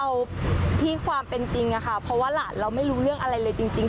เอาที่ความเป็นจริงอะค่ะเพราะว่าหลานเราไม่รู้เรื่องอะไรเลยจริง